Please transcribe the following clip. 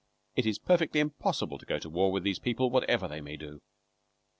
It is perfectly impossible to go to war with these people, whatever they may do.